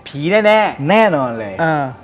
แน่แน่นอนเลย